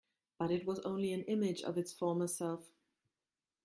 But it was only an image of its former self.